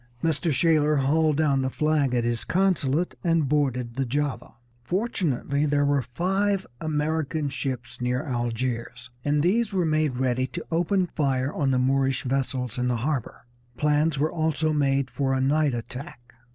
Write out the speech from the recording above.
Mr. Shaler hauled down the flag at his consulate, and boarded the Java. Fortunately there were five American ships near Algiers; and these were made ready to open fire on the Moorish vessels in the harbor. Plans were also made for a night attack.